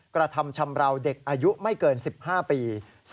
กระทำชำราวเด็กอายุไม่เกิน๑๕ปี